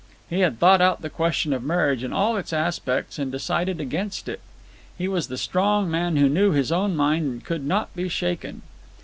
He had thought out the question of marriage in all its aspects, and decided against it. He was the strong man who knew his own mind and could not be shaken.